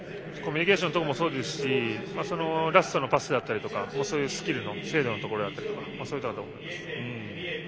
コミュニケーションもだしラストのパスとかスキルの精度のところだったりそういったところだと思います。